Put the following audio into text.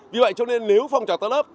vì vậy cho nên nếu phong trào startup